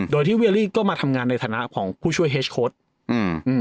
โดยที่เวียรี่ก็มาทำงานในฐานะของผู้ช่วยเฮสโค้ดอืม